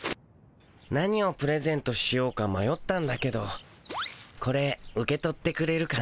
何をプレゼントしようかまよったんだけどこれ受け取ってくれるかな？